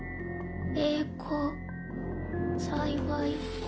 栄光幸い。